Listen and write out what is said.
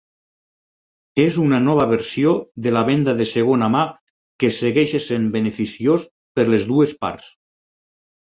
És una nova versió de la venda de segona mà que segueix essent beneficiós per les dues parts.